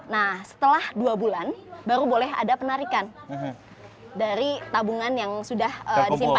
nah setelah dua bulan baru boleh ada penarikan dari tabungan yang sudah disimpan